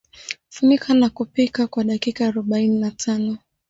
Funika na kupika kwa dakika aroubaini na tano